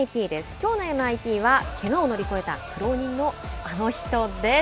「きょうのＭＩＰ」はけがを乗り越えた苦労人のあの人です。